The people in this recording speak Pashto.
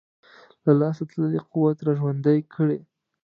له لاسه تللی قوت را ژوندی کړي.